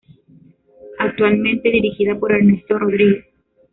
Actualmente dirigida por Ernesto Rodríguez.